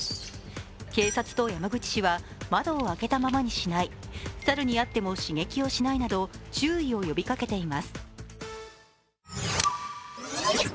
警察と山口市は、窓を開けたままにしない、猿に会っても刺激をしないなど注意を呼びかけています。